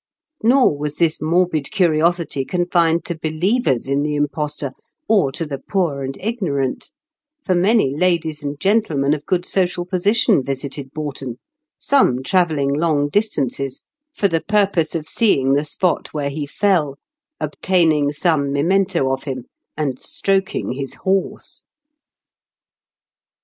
Nor was this morbid curiosity confined to believers in the impostor, or to the poor and ignorant ; for many ladies and gentlemen of good social position visited Boughton, some travelling long distances, for the purpose of seeing the spot 164. IN KENT WITH CHAELE8 DICKENS. where he fell, obtaining some memento of him, and stroking his horse